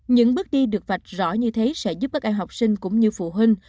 những bước đi được vạch rõ như thế sẽ giúp các em học sinh cũng như phụ huynh